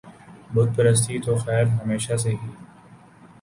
بت پرستی تو خیر ہمیشہ سے ہی